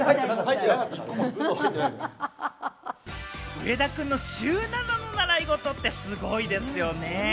上田君の１７の習い事ってすごいですよね。